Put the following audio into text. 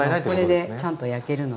これでちゃんと焼けるので。